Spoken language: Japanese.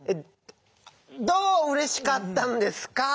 どううれしかったんですか？